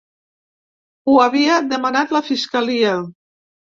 Ho havia demanat la fiscalia.